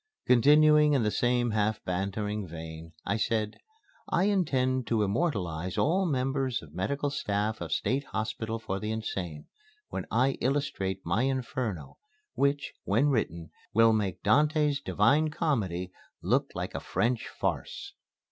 Continuing in the same half bantering vein, I said: "I intend to immortalize all members of medical staff of State Hospital for Insane when I illustrate my Inferno, which, when written, will make Dante's Divine Comedy look like a French Farce."